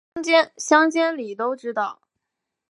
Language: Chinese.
乡里间都知道